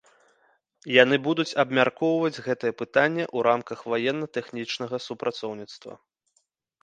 Яны будуць абмяркоўваць гэтае пытанне ў рамках ваенна-тэхнічнага супрацоўніцтва.